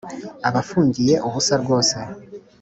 abafungiye ubusa rwose